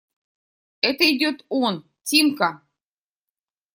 Это идет он… Тимка!